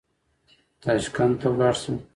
تاشکند ته ولاړ شم.